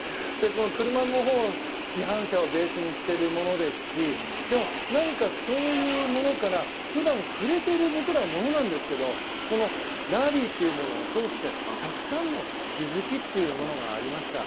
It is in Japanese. この車のほうも市販車をベースにしているものですしでも、何かそういうものから普段僕ら触れているものですけどラリーというものを通してたくさんの気づきというものがありました。